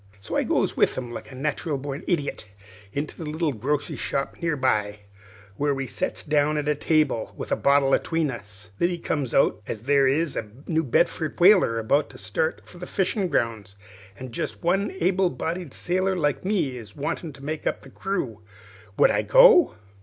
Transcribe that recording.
"So I goes with him like a nat'ral born idiot, into a little grocery shop near by, where we sets down at a table with a bottle atween us. Then it comes out as there is a New Bedford whaler about to start for the fishin' grounds, an' jest one able bodied sailor like me is wanted to make up the crew. Would I go?